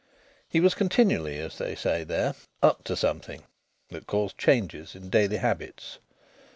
He was continually, as they say there, "up to something" that caused changes in daily habits.